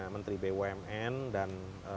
menteri bumn dan